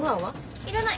要らない。